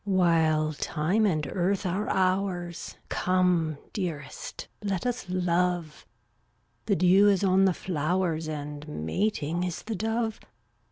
388 While time and earth are ours, Come, dearest, let us love; The dew is on the flowers, And mating is the dove.